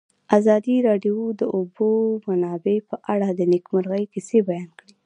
ازادي راډیو د د اوبو منابع په اړه د نېکمرغۍ کیسې بیان کړې.